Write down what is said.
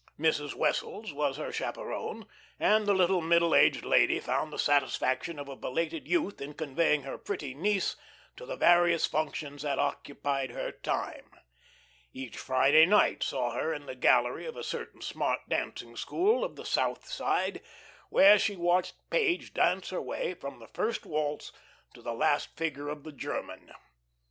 Mrs. Wessels was her chaperone, and the little middle aged lady found the satisfaction of a belated youth in conveying her pretty niece to the various functions that occupied her time. Each Friday night saw her in the gallery of a certain smart dancing school of the south side, where she watched Page dance her way from the "first waltz" to the last figure of the german.